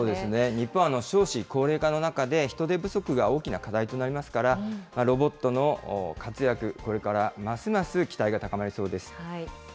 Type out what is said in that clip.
日本は少子高齢化の中で人手不足が大きな課題となりますから、ロボットの活躍、これからますます期待が高まりそうです。